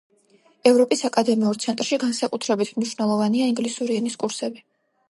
ევროპის აკადემიურ ცენტრში განსაკუთრებით მნიშვნელოვანია ინგლისური ენის კურსები.